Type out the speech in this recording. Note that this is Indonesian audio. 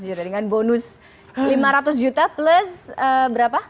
lima ratus juta dengan bonus lima ratus juta plus berapa